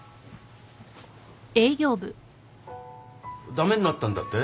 駄目になったんだって？